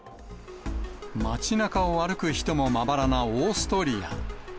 街なかを歩く人もまばらなオーストリア。